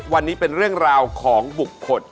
วันนี้เป็นเรื่องราวของบุคคล